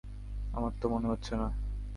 আমার তা মনে হচ্ছে না।